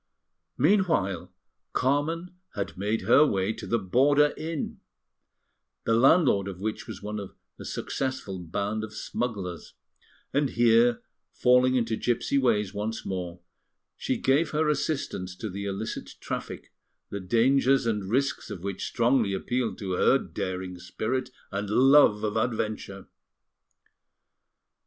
Meanwhile Carmen had made her way to the border inn, the landlord of which was one of a successful band of smugglers; and here, falling into gipsy ways once more, she gave her assistance to the illicit traffic, the dangers and risks of which strongly appealed to her daring spirit and love of adventure.